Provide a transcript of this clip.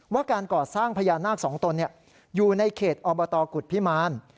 ว่าการก่อสร้างพญานาคสองตนอยู่ในเขตอบตกุฎพิมาร